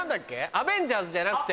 アベンジャーズじゃなくて。